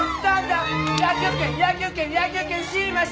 野球拳野球拳野球拳しましょう！